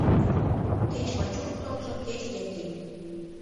Кеч Вачук толжо, кеч Яким.